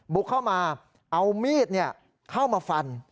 บุกเข้ามาเอามีดเข้ามาฟัน